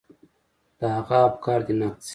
د هغه افکار دې نقد شي.